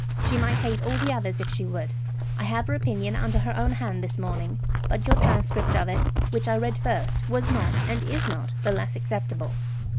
She might hate all the others, if she would. I have her opinion under her own hand this morning, but your transcript of it, which I read first, was not, and is not, the less acceptable.